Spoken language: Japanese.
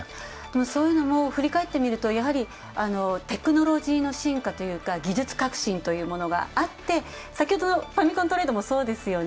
そういうのも振り返ってみると、やはりテクノロジーの進化というか技術革新というものがあって、先ほどのファミコントレードも、そうですよね。